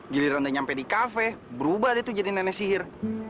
giliran udah nyampe di kafe berubah dia tuh jadi nenek sihir